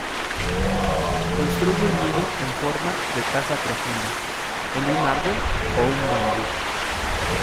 Construye un nido en forma de taza profunda, en un árbol o un bambú.